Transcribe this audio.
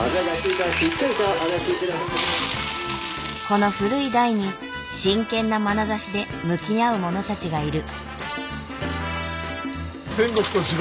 この古い台に真剣なまなざしで向き合う者たちがいる。